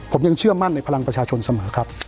ผมยังเชื่อมั่นในพลังประชาชนเสมอครับ